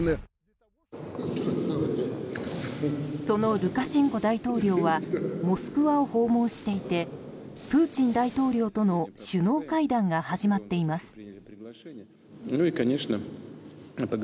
そのルカシェンコ大統領はモスクワを訪問していてプーチン大統領との首脳会談が始まっています。